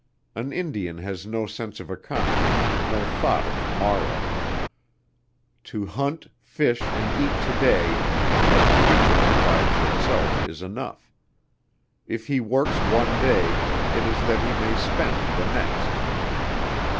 An Indian has no sense of economy, no thought of the morrow. To hunt, fish and eat to day and let the future provide for itself is enough. If he works one day, it is that he may spend the next.